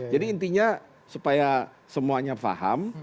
jadi intinya supaya semuanya paham